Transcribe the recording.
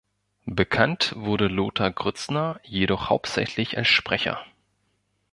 Bekannt wurde Lothar Grützner jedoch hauptsächlich als Sprecher.